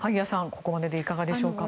ここまででいかがでしょうか。